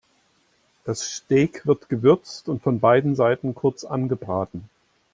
Das Steak wird gewürzt und von beiden Seiten kurz angebraten.